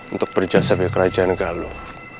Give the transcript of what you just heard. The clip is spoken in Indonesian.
untuk berja sabi kerajaan galuh